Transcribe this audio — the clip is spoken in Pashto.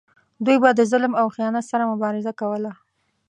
دوی به د ظلم او خیانت سره مبارزه کوله.